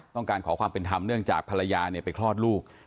ต้องการขอความเป็นธรรมเนื่องจากภรรยาไปคลอดลูก